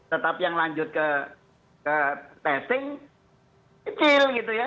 tetapi yang lanjut ke testing kecil gitu ya